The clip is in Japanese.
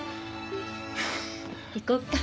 行こっか。